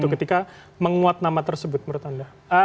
ketika menguat nama tersebut menurut anda